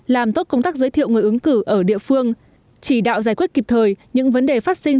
làm tốt công tác giới thiệu người ứng cử ở địa phương chỉ đạo giải quyết kịp thời những vấn đề phát sinh